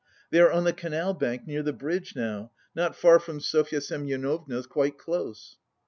They are on the canal bank, near the bridge now, not far from Sofya Semyonovna's, quite close."